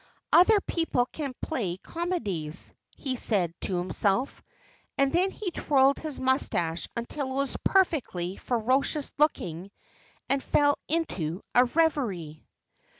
"Other people can play comedies," he said to himself; and then he twirled his moustache until it was perfectly ferocious looking, and fell into a reverie.